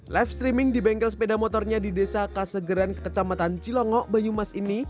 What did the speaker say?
live streaming di bengkel sepeda motornya di desa kasegeran kekecamatan cilongo bayu mas ini